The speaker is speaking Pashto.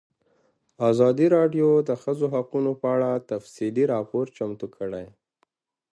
ازادي راډیو د د ښځو حقونه په اړه تفصیلي راپور چمتو کړی.